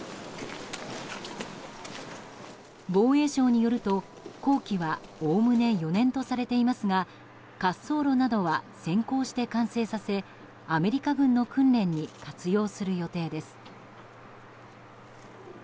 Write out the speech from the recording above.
防衛省によると、工期はおおむね４年とされていますが滑走路などは先行して完成させアメリカ軍の訓練に活用する予定です。